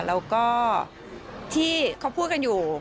แล้วก็ที่เขาพูดกันอยู่